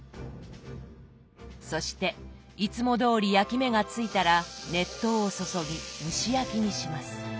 そしていつもどおり焼き目がついたら熱湯を注ぎ蒸し焼きにします。